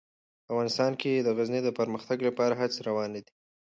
په افغانستان کې د غزني د پرمختګ لپاره هڅې روانې دي.